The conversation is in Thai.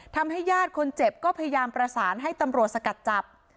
ญาติคนเจ็บก็พยายามประสานให้ตำรวจสกัดจับ